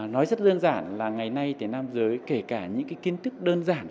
nói rất đơn giản là ngày nay thì nam giới kể cả những cái kiến thức đơn giản